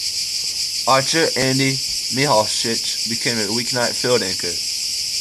Anchor Andy Mehalshick became a weeknight field anchor.